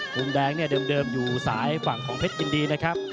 มุมแดงเนี่ยเดิมอยู่สายฝั่งของเพชรยินดีนะครับ